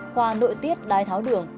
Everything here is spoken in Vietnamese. khoa nội tiết đài tháo đường